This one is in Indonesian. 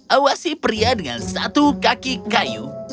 awasi pria dengan satu kaki kayu